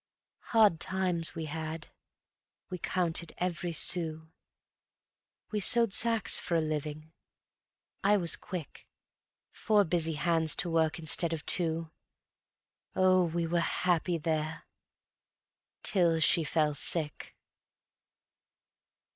Hard times we had. We counted every sou, We sewed sacks for a living. I was quick ... Four busy hands to work instead of two. Oh, we were happy there, till she fell sick.